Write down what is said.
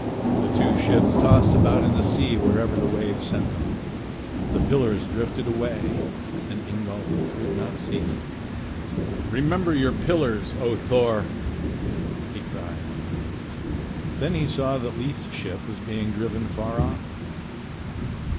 The two ships tossed about in the sea wherever the waves sent them. The pillars drifted away, and Ingolf could not see them. "Remember your pillars, O Thor!" he cried. Then he saw that Leif's ship was being driven far off.